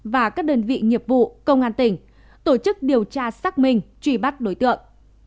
và các đơn vị nghiệp vụ công an tỉnh tổ chức điều tra xác minh truy bắt đối tượng